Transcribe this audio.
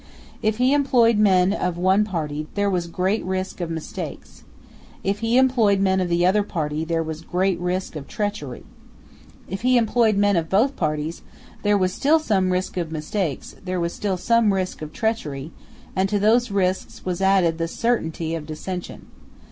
If he employed men of one party, there was great risk of mistakes. If he employed men of the other party, there was great risk of treachery. If he employed men of both parties, there was still some risk of mistakes; there was still some risk of treachery; and to these risks was added the certainty of dissension.